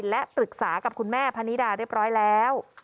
และปรึกษากับคุณแม่พนิดาเรียบร้อยแล้ว